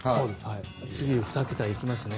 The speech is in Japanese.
次、２桁行きますね。